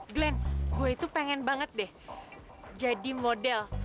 glenn gue itu pengen banget deh jadi model